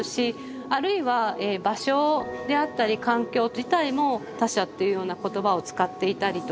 あるいは場所であったり環境自体も他者というような言葉を使っていたりとか。